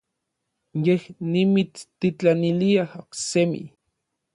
Yej nimitstitlanilia oksemi.